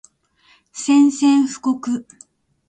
宣戦布告